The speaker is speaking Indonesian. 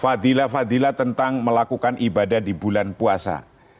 fadilah fadilah tentang melakukan ibadah di bulan puasa